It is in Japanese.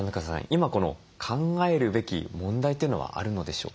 今考えるべき問題というのはあるのでしょうか？